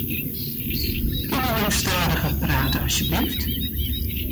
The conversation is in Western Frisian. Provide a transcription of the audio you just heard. Kinne jo stadiger prate asjebleaft?